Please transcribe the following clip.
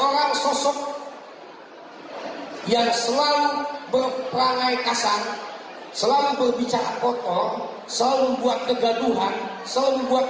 hai yang selalu berperangai kasar selalu berbicara foto selalu buat kegaduhan selalu buat